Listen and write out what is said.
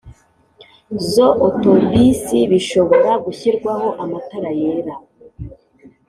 za otobisi bishobora gushyirwaho amatara yera